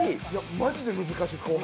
マジで難しいです、後半。